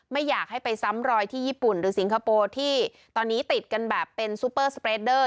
ไม่อยากให้ไปซ้ำรอยที่ญี่ปุ่นหรือสิงคโปร์ที่ตอนนี้ติดกันแบบเป็นซูเปอร์สเปรดเดอร์